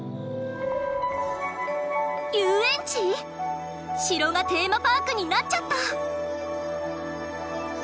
遊園地⁉城がテーマパークになっちゃった！